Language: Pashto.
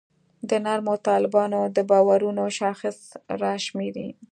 د نرمو طالبانو د باورونو شاخصې راشماري.